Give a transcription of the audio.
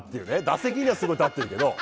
打席にはすごい立ってるけど